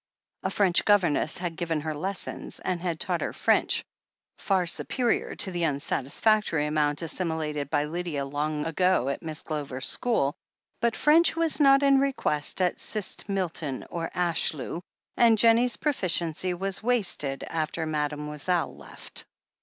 A French governess had given her lessons, and had taught her French far superior to the unsatisfactory amount assimilated by Lydia long ago at Miss Glover's school, but French was not in request at Clyst Milton or Ashlew, and Jennie's proficiency was wasted after Mademoiselle left.